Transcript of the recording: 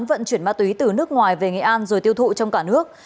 vận chuyển ma túy từ nước ngoài về nghệ an rồi tiêu thụ trong cả nước